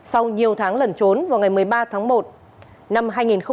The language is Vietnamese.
sau nhiều tháng lẩn trốn vào ngày một mươi ba tháng một năm hai nghìn hai mươi